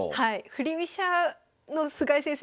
振り飛車の菅井先生